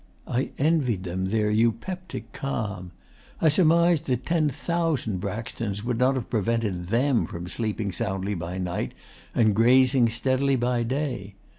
I envied them their eupeptic calm. I surmised that ten thousand Braxtons would not have prevented THEM from sleeping soundly by night and grazing steadily by day.